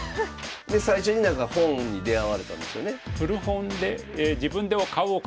で最初になんか本に出会われたんですよね。